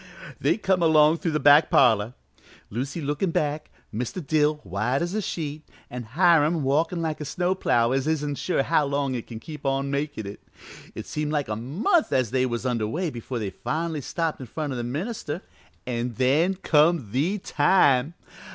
"They come along through the back parlor, Lucy lookin' back, Mr. Dill white as a sheet, an' Hiram walkin' like a snow plough as isn't sure how long it can keep on makin' it. It seemed like a month as they was under way before they finally got stopped in front o' the minister. An' then come the time!